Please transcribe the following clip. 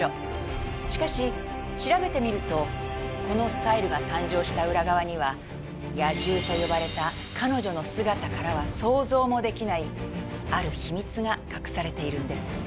しかし調べてみるとこのスタイルが誕生した裏側には野獣と呼ばれた彼女の姿からは想像もできないある秘密が隠されているんです。